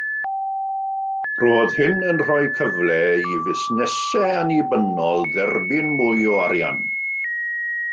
Roedd hyn yn rhoi cyfle i fusnesau annibynnol dderbyn mwy o arian